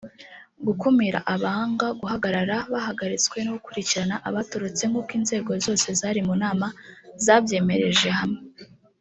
gukumira abanga guhagarara bahagaritswe no gukurikirana abatorotse nk’uko inzego zose zari mu nama zabyemereje hamwe